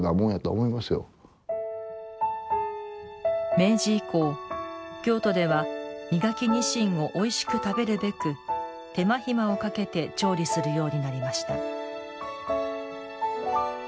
明治以降、京都では身欠きにしんをおいしく食べるべく手間暇をかけて調理するようになりました。